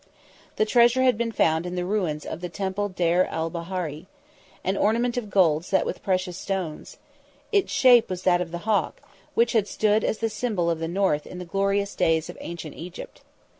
The treasure had been found in the ruins of the Temple Deir el Bahari. An ornament of gold set with precious stones. Its shape was that of the Hawk, which had stood as the symbol of the North in the glorious days of Ancient Egypt.